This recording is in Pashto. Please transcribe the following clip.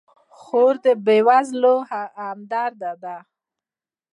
خور د بېوزلو همدرده ده.